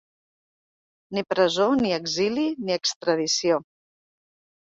Ni presó ni exili ni extradició.